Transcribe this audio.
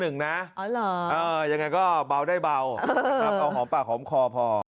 อ๋อเหรออย่างไรก็เบาได้เบาเอาหอมปากหอมคอพอ